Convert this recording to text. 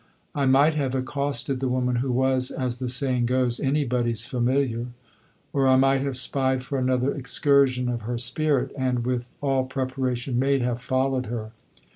I might have accosted the woman, who was, as the saying goes, anybody's familiar; or I might have spied for another excursion of her spirit, and, with all preparation made, have followed her.